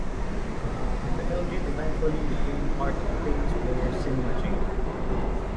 The Elgin eventually became part of the Famous Players cinema chain.